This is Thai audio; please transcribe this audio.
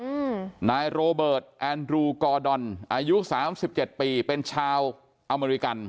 อืมนายโรเบิร์ตแอนดรูกอดอนอายุสามสิบเจ็ดปีเป็นชาวอเมริกัน